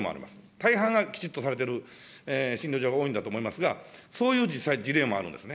大半がきちっとされてる診療所が多いんだと思いますが、そういう実際、事例もあるんですね。